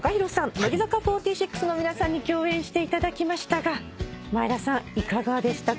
乃木坂４６の皆さんに共演していただきましたが前田さんいかがでしたか？